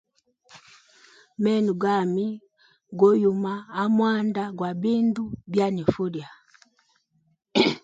Meno gami go yuma amwanda gwa bindu bya nifa ulya.